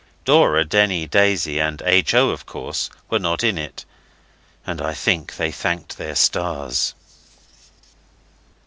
Dora, Denny, Daisy, and H. O., of course, were not in it, and I think they thanked their stars.